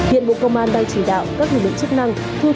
hiện bộ công an đang chỉnh đạo các nguồn chức năng